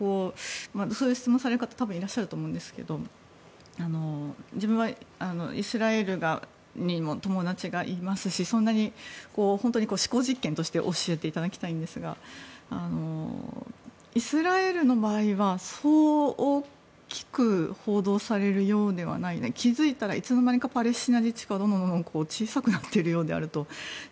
そういう質問をされる方、多分いらっしゃると思うんですけど自分はイスラエルにも友達がいますしそんなに本当に思考実験として教えていただきたいんですがイスラエルの場合はそう大きく報道されるようではなくて気づいたら、いつの間にかパレスチナ自治区はどんどん小さくなっているようであると。